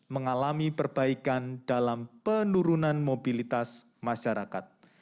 mengalami perbaikan dalam penurunan mobilitas masyarakat